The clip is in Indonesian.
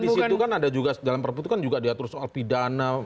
di situ kan ada juga dalam perpu itu kan juga diatur soal pidana